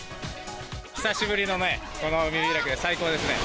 久しぶりのこの海開きで、最高ですね。